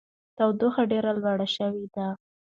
تودوخه ډېره لوړه شوې ده.